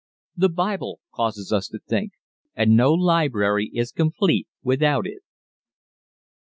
_The Bible causes us to think! and no library is complete without it.